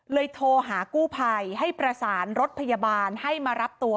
โทรหากู้ภัยให้ประสานรถพยาบาลให้มารับตัว